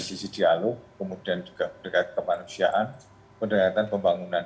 sisi dialog kemudian juga pendekatan kemanusiaan pendekatan pembangunan